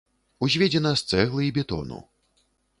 Узведзена з цэглы і бетону.